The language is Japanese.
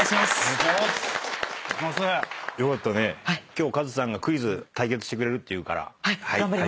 今日カズさんがクイズ対決してくれるっていうから。